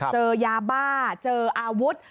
เจอยาบ้าเจออาวุธ